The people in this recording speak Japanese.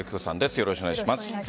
よろしくお願いします。